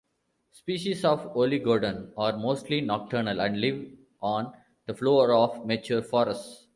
Species of "Oligodon" are mostly nocturnal, and live on the floor of mature forests.